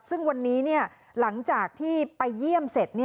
ซึ่งวันนี้หลังจากที่ไปเยี่ยมเสร็จ